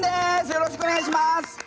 よろしくお願いします！